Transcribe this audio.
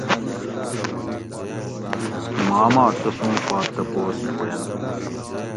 ماں ما تسوں پا تپوس وینتھ